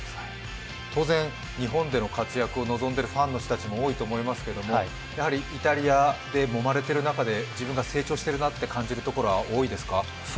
当然、日本での活躍を望んでいるファンの方たちも多いと思いますがイタリアでもまれている中で自分が成長しているなと感じるところは多いですか？